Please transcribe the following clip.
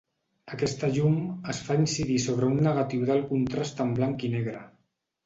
Aquesta llum es fa incidir sobre un negatiu d'alt contrast en blanc i negre.